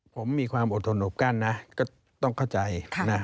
ผมมีความอดทนอบกั้นนะก็ต้องเข้าใจ